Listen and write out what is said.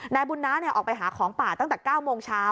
บุญน้าออกไปหาของป่าตั้งแต่๙โมงเช้า